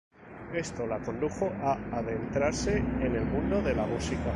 Esto la condujo a adentrarse en el mundo de la música.